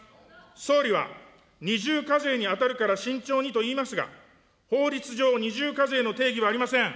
総理は、二重課税に当たるから慎重にといいますが、法律上、二重課税の定義はありません。